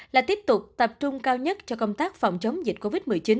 là tiếp tục tập trung cao nhất cho công tác phòng chống dịch covid một mươi chín